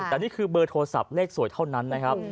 แต่นี่คือเบอร์โทรศัพท์เลขสวยเท่านั้นนะครับ